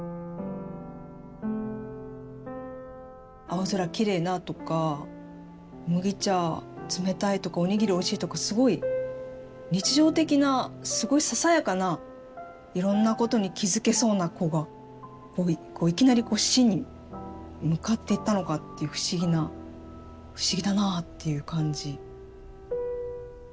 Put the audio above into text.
青空きれいなとか麦茶冷たいとかおにぎりおいしいとかすごい日常的なすごいささやかないろんなことに気付けそうな子がいきなりこう死に向かっていったのかっていう不思議な不思議だなぁっていう感じ。